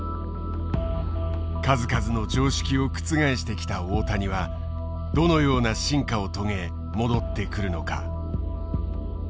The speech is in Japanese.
数々の常識を覆してきた大谷はどのような進化を遂げ戻ってくるのか。